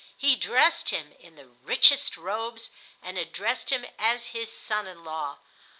He dressed him in the richest robes and addressed him as his son in law.